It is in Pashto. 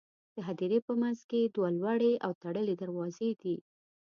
د هدیرې په منځ کې دوه لوړې او تړلې دروازې دي.